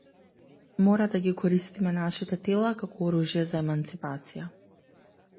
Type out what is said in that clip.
Мора да ги користиме нашите тела како оружје за еманципација.